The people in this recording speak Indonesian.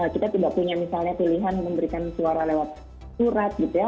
kita tidak punya misalnya pilihan memberikan suara lewat surat gitu ya